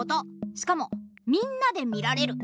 しかもみんなでみられる。